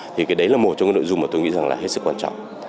thì cái đấy là một trong những nội dung mà tôi nghĩ là hết sức quan trọng